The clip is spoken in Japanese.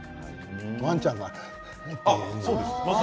ワンちゃんがね。